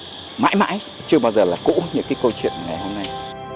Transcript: chắc chắn không bao giờ cũ như câu chuyện ngày hôm nay